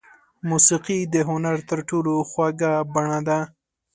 موسیقي د هنر تر ټولو خوږه بڼه ده.